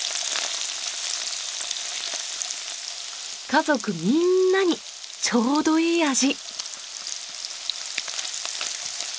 家族みんなにちょうどいい味！